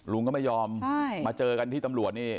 ลุงก็ไม่ยอมมาเจอกันที่ตำรวจนี่